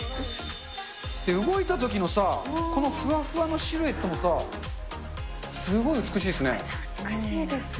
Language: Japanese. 動いたときのさ、このふわふわのシルエットもさ、すごい美しいでめちゃくちゃ美しいです。